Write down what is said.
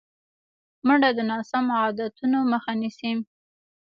منډه د ناسم عادتونو مخه نیسي